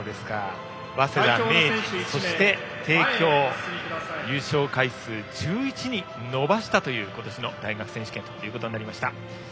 早稲田、明治があってそして帝京が優勝回数を１１に伸ばしたという今年の大学選手権となりました。